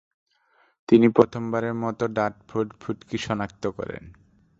তিনি প্রথমবারের মত ডার্টফোর্ড ফুটকি শনাক্ত করেন।